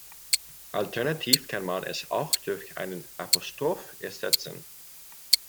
Alternativ kann man es auch durch einen Apostroph ersetzen.